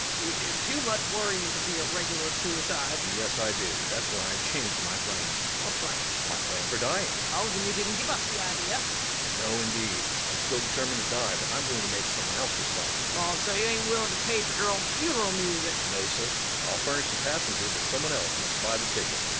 You do too much worryin' to be a regular suicide. REVENUE. Yes, I do. That's why I changed my plan. LUKE. What plan? REVENUE. My plan for dying. LUKE. Oh, then you didn't give up the idea? REVENUE. No, indeed I'm still determined to die, but I'm going to make some one else responsible. LUKE. Oh so you hain't willing to pay fer yer own funeral music? REVENUE. No, sir. I'll furnish the passenger, but some one else must buy the ticket.